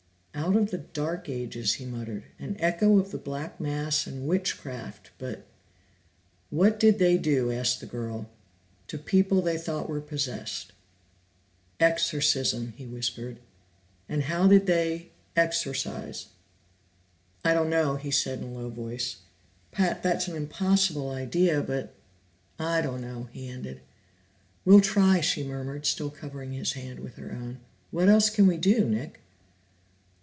"Out of the Dark Ages," he muttered. "An echo of the Black Mass and witchcraft, but " "What did they do," asked the girl, "to people they thought were possessed?" "Exorcism!" he whispered. "And how did they exorcise?" "I don't know," he said in a low voice. "Pat, that's an impossible idea, but I don't know!" he ended. "We'll try," she murmured, still covering his hand with her own. "What else can we do, Nick?"